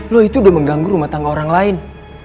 loh itu udah mengganggu rumah tangga orang lain